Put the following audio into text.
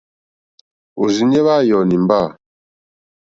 Òrzìɲɛ́ hwá yɔ̀ɔ̀ nìmbâ.